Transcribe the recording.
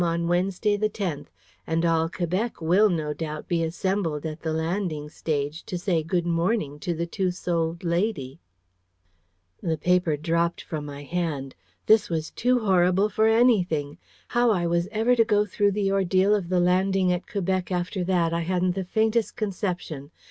on Wednesday, the 10th; and all Quebec will, no doubt, be assembled at the landing stage to say 'Good morning' to the two souled lady." The paper dropped from my hand. This was too horrible for anything! How I was ever to go through the ordeal of the landing at Quebec after that, I hadn't the faintest conception.